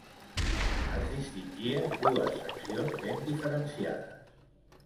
Es distingien dues seccions ben diferenciades.